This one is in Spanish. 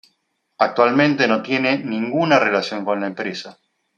Actualmente no tiene ninguna relación con la empresa.